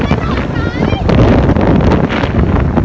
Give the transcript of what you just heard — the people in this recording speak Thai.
เมื่อเวลาเกิดขึ้นมันกลายเป้าหมายเป้าหมาย